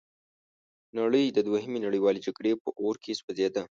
نړۍ د دوهمې نړیوالې جګړې په اور کې سوځیده.